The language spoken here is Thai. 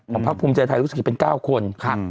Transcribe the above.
ของภักดิ์ภูมิใจไทยรุศกิจเป็น๙คน